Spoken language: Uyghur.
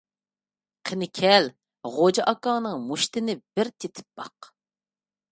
قېنى كەل، غوجا ئاكاڭنىڭ مۇشتتىنى بىر تېتىپ باق!